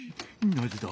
なぜだ？